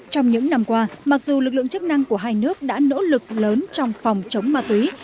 trong những năm qua mặc dù lực lượng chức năng của hai nước đã nỗ lực lớn trong phòng chống ma túy